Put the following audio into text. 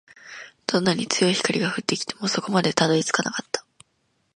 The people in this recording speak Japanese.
どんなに強い光が降ってきても、底までたどり着かなかった